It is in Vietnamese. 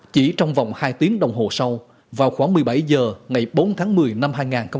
chỉ trong vòng hai tiếng đồng hồ sau vào khoảng một mươi bảy h ngày bốn tháng một mươi năm hai nghìn hai mươi